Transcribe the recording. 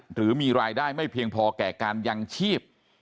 หรือมีรายได้ไม่เพียงพอแก่การยังชีพ